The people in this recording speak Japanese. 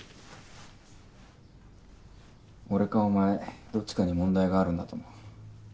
俺かお前どっちかに問題があるんだと思う。